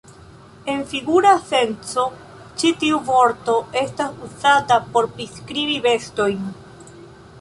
En figura senco ĉi tiu vorto estas uzata por priskribi bestojn.